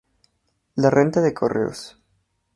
La renta de correos.